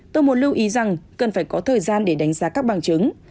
tôi muốn lưu ý rằng cần phải có thời gian để đánh giá các bằng chứng